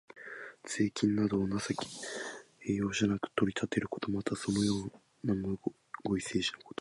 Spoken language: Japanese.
税金などを情け容赦なく取り立てること。また、そのようなむごい政治のこと。